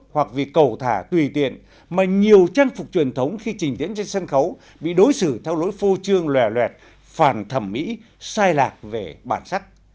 hoặc vì cầu thả tùy tiện mà nhiều trang phục truyền thống khi trình diễn trên sân khấu bị đối xử theo lối phô trương lèt phản thẩm mỹ sai lạc về bản sắc